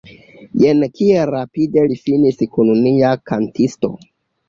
Jen kiel rapide li finis kun nia kantisto!